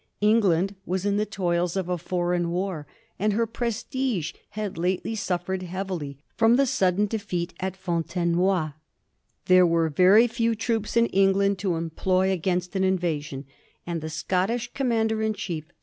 England was in the toils of a foreign war, and her prestige had lately suffered heavily from the sudden defeat at Fon tenoy. There were very few troops in England to employ against an invasion, and the Scottish commander in chief.